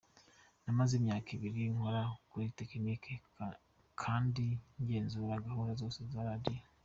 Namaze imyaka ibiri nkora kuri technique kandi ngenzura gahunda zose za radio.